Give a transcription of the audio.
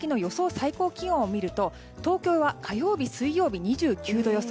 最高気温を見ると東京は火曜日、水曜日２９度予想。